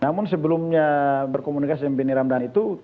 namun sebelumnya berkomunikasi dengan beni ramdhani itu